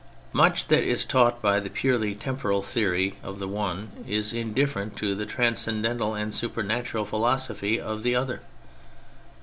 Much that is taught by the purely temporal theory of the one is indifferent to the trans cendental and supernatural philosophy of the other.